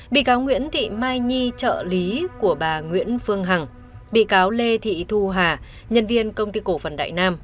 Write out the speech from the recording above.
bị cáo nguyễn thị mai nhi trợ lý của bà nguyễn phương hằng bị cáo lê thị thu hà nhân viên công ty cổ phần đại nam